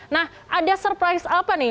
nah ada surprise apa nih